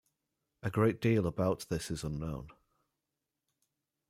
A great deal about this is unknown.